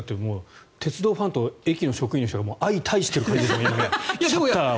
鉄道ファンと駅の職員の方が相対している感じでシャッターを。